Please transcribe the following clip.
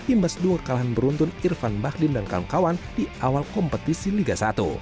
imbas dua kalahan beruntun irfan bahdim dan kawan kawan di awal kompetisi liga satu